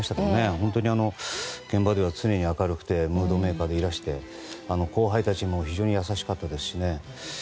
本当に現場では常に明るくてムードメーカーでいらして後輩たちにも非常に優しかったですしね。